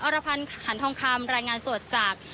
รพันธ์หันทองคำรายงานสดจาก